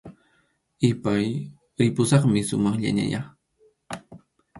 Ipay, ripusaqmi sumaqllañayá